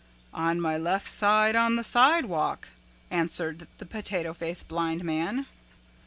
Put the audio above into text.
"On my left side on the sidewalk," answered the Potato Face Blind Man.